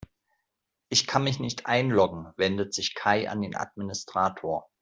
Ich kann mich nicht einloggen, wendet sich Kai an den Administrator.